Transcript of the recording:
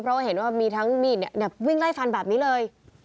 เพราะว่าเห็นว่ามีทั้งมีดวิ่งไล่ฟันแบบนี้เลย